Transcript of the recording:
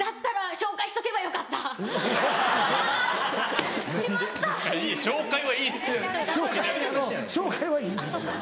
紹介はいいんですよ。